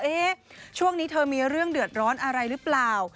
ช่วงนี้เธอมีเรื่องเดือดร้อนอะไรหรือเปล่า